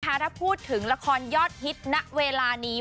ถ้าพูดถึงละครยอดฮิตณเวลานี้